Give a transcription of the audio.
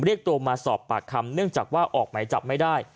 เรียกตัวมาสอบปากคำเนื่องจากว่าออกหมายจับไม่ได้